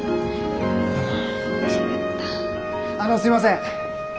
あのすいません。